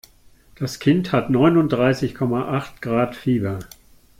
Das Kind hat Neunundreißig Komma Acht Grad Fieber.